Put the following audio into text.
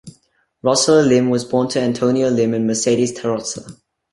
Roseller Lim was born to Antonio Lim and Mercedes Tarroza.